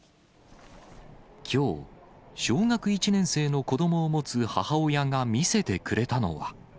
きょう、小学１年生の子どもを持つ母親が見せてくれたのは。